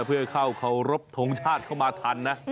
เพื่อเข้าเคารพทงชาติเข้ามาทันนะ